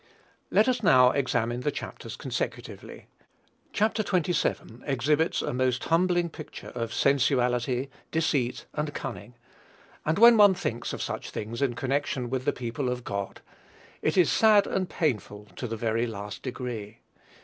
Let us now examine the chapters consecutively. Chap. xxvii. exhibits a most humbling picture of sensuality, deceit, and cunning; and when one thinks of such things in connection with the people of God, it is sad and painful to the very last degree.